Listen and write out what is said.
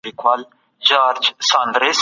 خلک ډېری په کرنه بوخت دي.